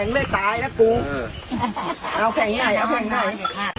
เมื่อเวลามันกลายเป็นเวลาที่สุดท้าย